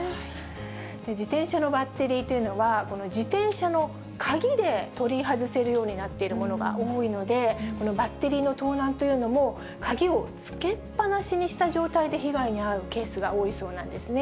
自転車のバッテリーというのは、この自転車の鍵で取り外せるようになっているものが多いので、このバッテリーの盗難というのも、鍵をつけっぱなしにした状態で被害に遭うケースが多いそうなんですね。